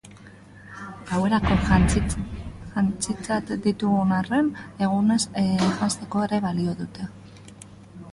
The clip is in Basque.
Gauerako jantzitzat ditugun arren, egunez janzteko ere balio dute.